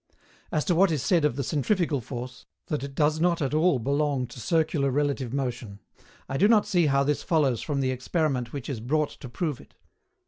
As to what is said of the centrifugal force, that it does not at all belong to circular relative motion, I do not see how this follows from the experiment which is brought to prove it.